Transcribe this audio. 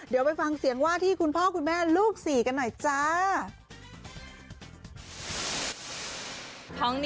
เดี๋ยวไปฟังเสียงว่าที่คุณพ่อคุณแม่ลูก๔กันหน่อยจ้า